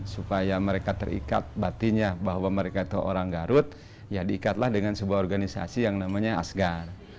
supaya mereka terikat batinnya bahwa mereka itu orang garut ya diikatlah dengan sebuah organisasi yang namanya asgar